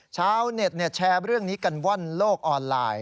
ชาวเน็ตแชร์เรื่องนี้กันว่อนโลกออนไลน์